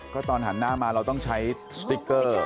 ก็ตอนหันหน้ามาเราต้องใช้สติ๊กเกอร์